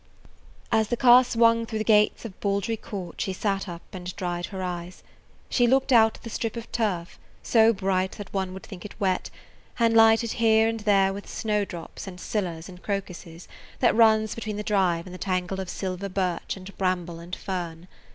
As the car swung through the gates of Baldry Court she sat up and dried her eyes. She looked out at the strip of turf, so bright that one would think it wet, and lighted here and there with snowdrops and scillas and crocuses, that runs between the drive and the tangle of silver birch and bramble and fern.